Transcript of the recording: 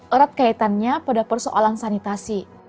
erat kaitannya pada persoalan sanitasi